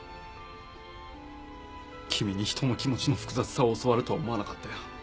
君に人の気持ちの複雑さを教わるとは思わなかったよ。